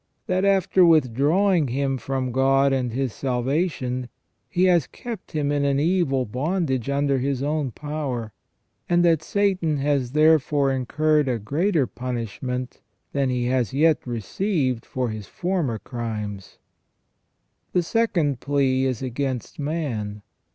That, after withdrawing him from God and His salvation, he has kept him in an evil bondage under his own power, and that Satan has therefore incurred a greater punishment than he has yet received for his former crimes. The second plea is against man.